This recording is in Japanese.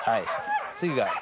次が。